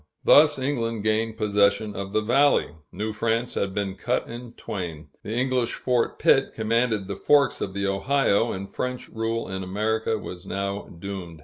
Thus England gained possession of the valley. New France had been cut in twain. The English Fort Pitt commanded the Forks of the Ohio, and French rule in America was now doomed.